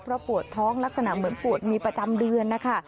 เพราะปวดท้องลักษณะเหมือนปวดมีประจำเดือนนะคะ